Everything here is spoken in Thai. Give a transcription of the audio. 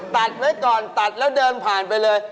ตัดไว้ก่อนตัดแล้วเดินผ่านไปเลย